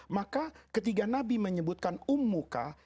maka ketika nabi menyebutkan ummuka